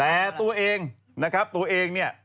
แต่ตัวเองนะครับตัวเองเนี่ย